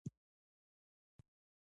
وینډوز او ګوګل فارسي ملاتړ کوي.